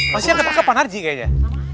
pasti yang terpaksa panarji kayaknya